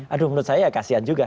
aduh menurut saya ya kasihan juga